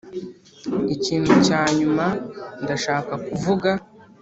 ikintu cya nyuma ndashaka kuvuga: